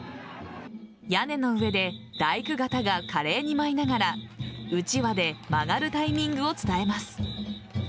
屋根の上で大工方が華麗に舞いながらうちわで曲がるタイミングを伝えます。